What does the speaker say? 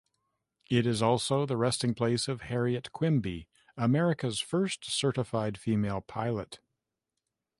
It is also the resting place of Harriet Quimby, America's first certified female pilot.